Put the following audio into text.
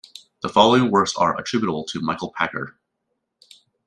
The following works are attributable to Michael Pacher.